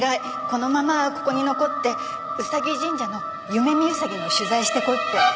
このままここに残ってうさぎ神社の夢見兎の取材してこいって。